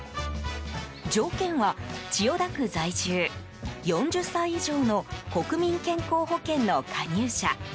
条件は、千代田区在住４０歳以上の国民健康保険の加入者。